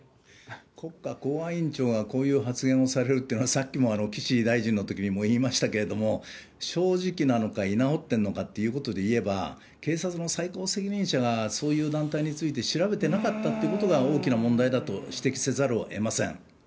国家公安委員長がこういう発言をされるっていうのは、さっきも岸大臣のときにも言いましたけれども、正直なのか、居直っているのかっていうことで言えば、警察の最高責任者がそういう団体について調べてなかったということが大きな問題だと指摘せざるをえません。